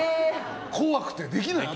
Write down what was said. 怖くてできない。